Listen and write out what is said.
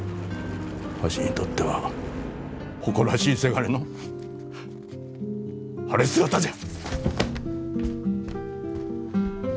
わしにとっては誇らしいせがれの晴れ姿じゃ。